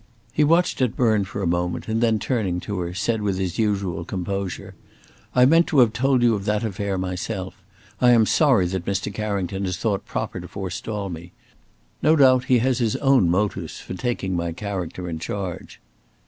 He watched it burn for a moment, and then turning to her, said, with his usual composure, "I meant to have told you of that affair myself. I am sorry that Mr. Carrington has thought proper to forestall me. No doubt he has his own motives for taking my character in charge."